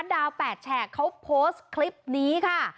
ดาว๘แฉกเขาโพสต์คลิปนี้ค่ะ